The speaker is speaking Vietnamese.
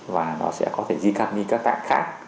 và nó sẽ có thể di căn đi các bạn khác